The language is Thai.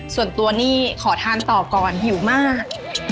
ส่วนตัวนี่ขอทานต่อก่อนหิวมาก